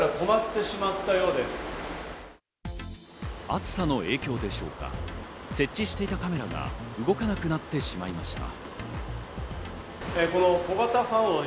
暑さの影響でしょうか、設置していたカメラが動かなくなってしまいました。